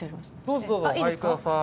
どうぞどうぞお入り下さい。